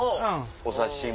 お刺身。